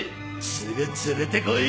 すぐ連れてこい！